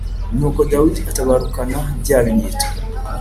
Nuko Dawidi atabarukana bya binyita